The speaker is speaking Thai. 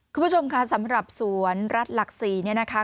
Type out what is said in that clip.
คุณผู้ชมค่ะสำหรับสวนรัฐหลักศรีเนี่ยนะคะ